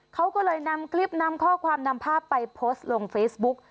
เขาก็เลยนำคลิปนำข้อความนำภาพไปโพสต์ลงเฟซบุ๊ก